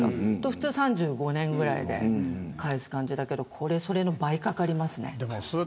普通３５年ぐらいで返す感じだけどこれは倍かかります。